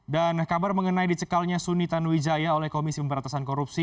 dan kabar mengenai dicekalnya suni tanuwijaya oleh komisi pemberantasan korupsi